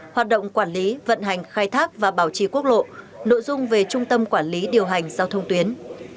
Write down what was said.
hoạt động quản lý vận hành khai thác và bảo trì quốc lộ nội dung về trung tâm quản lý điều hành giao thông tuyến